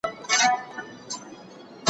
په لړزه يې سوه لكۍ او اندامونه